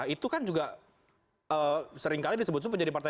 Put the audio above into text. itu kan juga seringkali disebut